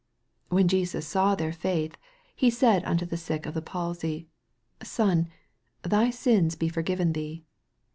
5 When Jesus saw their faith, he said unto the sick of the palsy, Son, thy sins be forgiven thee.